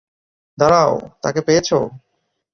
দাঁড়াও, তাকে পেয়েছো?